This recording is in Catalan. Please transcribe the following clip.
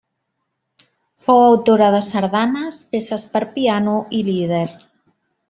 Fou autora de sardanes, peces per piano i lieder.